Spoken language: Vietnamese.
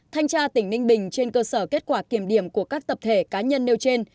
thanh tra tỉnh ninh bình trên cơ sở kết quả kiểm điểm của các tập thể cá nhân nêu trên